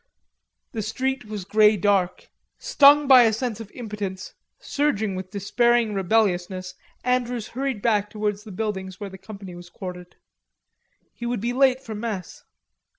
The street was grey dark. Stung by a sense of impotence, surging with despairing rebelliousness, Andrews hurried back towards the buildings where the company was quartered. He would be late for mess.